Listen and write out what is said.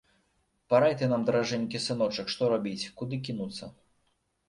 Парай ты нам, даражэнькі сыночак, што рабіць, куды кінуцца.